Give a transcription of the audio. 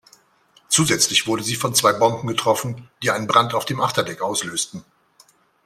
Zusätzlich wurde sie von zwei Bomben getroffen, die einen Brand auf dem Achterdeck auslösten.